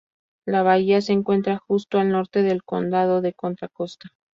La bahía se encuentra justo al norte del condado de Contra Costa.